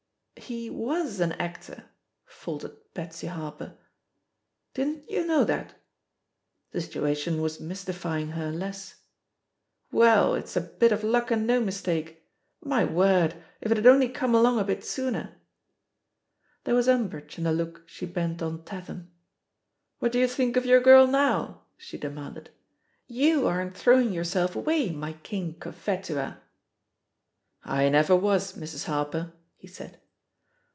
He was an actor,'* faltered Betsy Harper; didn't you know that?" The situation was mystifying her less. "Well, it's a bit of luck and no mistake 1 My word, if it had only come along a bit sooner 1" There was umbrage in the look she bent on Tatham. "What do you think of yoiu' girl now?" she demanded. '^You aren't throwing yourself away, my King Cophetual" "I never was, Mrs. Harper," he said.